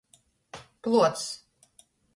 Pluocs.